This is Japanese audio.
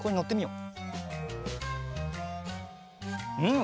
うん。